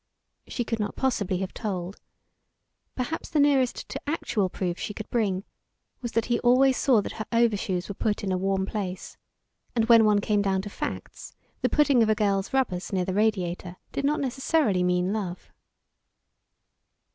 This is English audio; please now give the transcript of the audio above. She could not possibly have told. Perhaps the nearest to actual proof she could bring was that he always saw that her overshoes were put in a warm place. And when one came down to facts, the putting of a girl's rubbers near the radiator did not necessarily mean love.